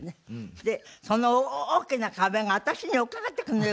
でその大きな壁が私に寄っかかってくんのよ